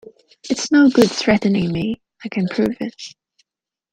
It's no good threatening me. I can prove it!